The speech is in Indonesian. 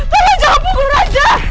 tolong jangan pukul raja